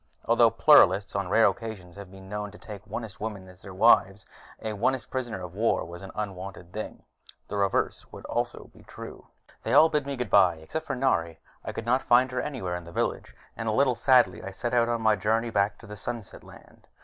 Although Pluralists on rare occasions have been known to take Onist women as their wives, an Onist prisoner of war was an unwanted thing. The reverse would also be true. They all bid me goodbye, except for Nari. I could not find her anywhere in the village, and a little sadly I set out on my long journey back to the Sunset Land.